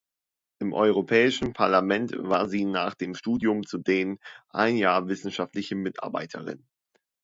Im Europäischen Parlament war sie nach dem Studium zudem ein Jahr wissenschaftliche Mitarbeiterin.